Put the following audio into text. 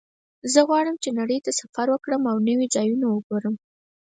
زه غواړم چې نړۍ ته سفر وکړم او نوي ځایونه وګورم